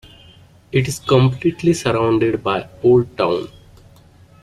It is completely surrounded by Old Town.